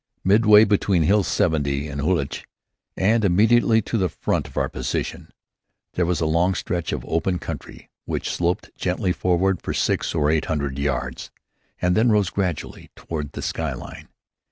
Midway between Hill 70 and Hulluch and immediately to the front of our position, there was a long stretch of open country which sloped gently forward for six or eight hundred yards, and then rose gradually toward the sky line.